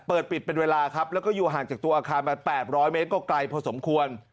เปิดปิดเป็นเวลาครับแล้วก็อยู่ห่างจากตัวอาคารมา๘๐๐เมตรก็ไกลพอสมควร